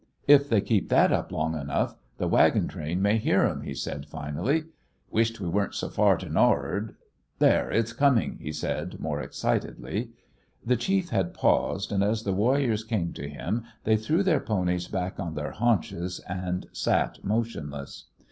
"If they keep that up long enough, the wagon train may hear 'em," he said, finally. "Wisht we weren't so far to nor rard. There, it's comin'!" he said, more excitedly. The chief had paused, and, as the warriors came to him, they threw their ponies back on their haunches, and sat motionless.